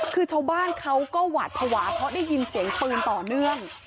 คือชาวบ้านเขาก็หวาดภาวะเพราะได้ยินเสียงปืนต่อเนื่อง